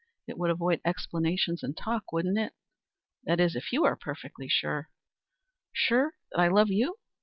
It would avoid explanations and talk, wouldn't it? That is, if you are perfectly sure." "Sure? That I love you?